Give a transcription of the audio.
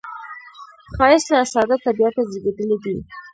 ښایست له ساده طبعیته زیږېدلی دی